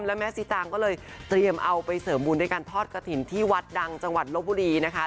แล้วแม่สีตางก็เลยเตรียมเอาไปเสริมบุญด้วยการทอดกระถิ่นที่วัดดังจังหวัดลบบุรีนะคะ